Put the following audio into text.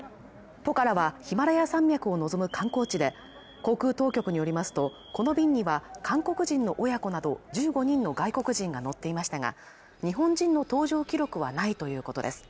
ポカラはヒマラヤ山脈を望む観光地で航空当局によりますとこの便には韓国人の親子など１５人の外国人が乗っていましたが日本人の搭乗記録はないということです